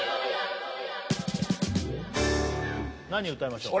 何歌いましょう？